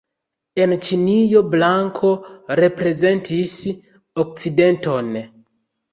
En Ĉinio blanko reprezentis okcidenton.